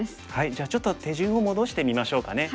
じゃあちょっと手順を戻してみましょうかね。